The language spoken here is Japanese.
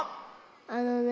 あのね。